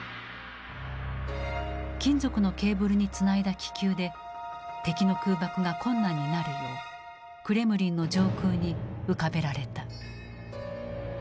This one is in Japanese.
金属のケーブルにつないだ気球で敵の空爆が困難になるようクレムリンの上空に浮かべられた。